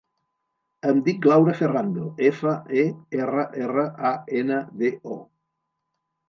Em dic Laura Ferrando: efa, e, erra, erra, a, ena, de, o.